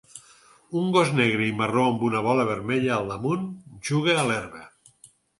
Un gos negre i marró amb una bola vermella al damunt juga a l'herba.